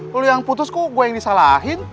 lu yang putus kok gua yang disalahin